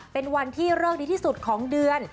เป็นวันที่เลิกดีที่สุดของเดือน